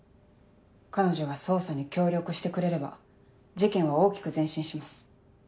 彼女が捜査に協力してくれれば事件は大きく前進します。